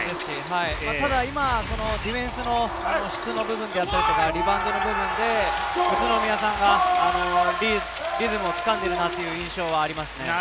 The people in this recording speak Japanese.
ただディフェンスの質の部分やリバウンドの部分で宇都宮さんがリズムを掴んでいるなという印象はありますね。